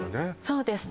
そうです